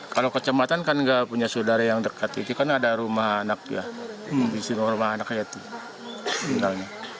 kalau kecamatan kan nggak punya saudara yang dekat itu kan ada rumah anak ya